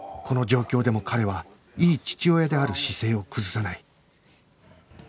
この状況でも彼はいい父親である姿勢を崩さない